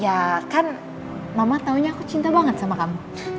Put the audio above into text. ya kan mama tahunya aku cinta banget sama kamu